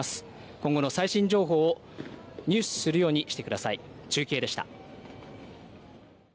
今後の最新情報を入手するようにしてください。